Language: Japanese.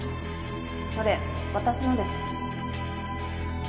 それ私のです。